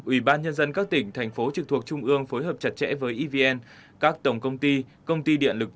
ủy ban nhân dân các tỉnh thành phố trực thuộc trung ương phối hợp chặt chẽ với evn các tổng công ty công ty điện lực